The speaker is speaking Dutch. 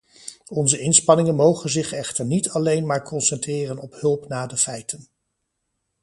Onze inspanningen mogen zich echter niet alleen maar concentreren op hulp na de feiten.